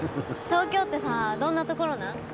東京ってさどんな所なん？